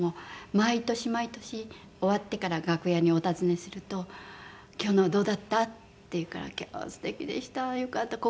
毎年毎年終わってから楽屋にお訪ねすると「今日のどうだった？」って言うから「今日素敵でした。よかった」。